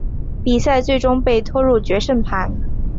比赛最终被拖入决胜盘。